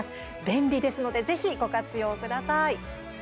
便利ですのでぜひご活用ください。